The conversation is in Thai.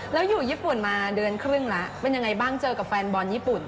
แล้วอยู่ญี่ปุ่นมาเดือนครึ่งแล้วเป็นยังไงบ้างเจอกับแฟนบอลญี่ปุ่น